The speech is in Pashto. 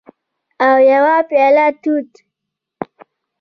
او یوه پیاله توت